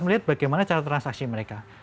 melihat bagaimana cara transaksi mereka